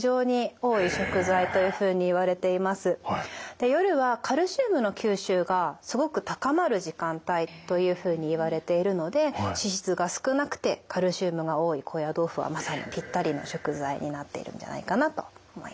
で夜はカルシウムの吸収がすごく高まる時間帯というふうにいわれているので脂質が少なくてカルシウムが多い高野豆腐はまさにピッタリの食材になっているんじゃないかなと思います。